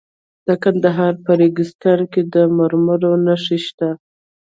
د کندهار په ریګستان کې د مرمرو نښې شته.